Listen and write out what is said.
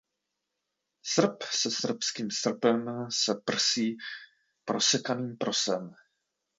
Srb se srbským srpem se prsí prosekaným prosem.